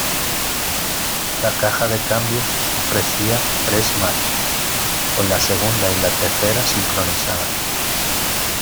La caja de cambios ofrecía tres marchas, con la segunda y la tercera sincronizadas.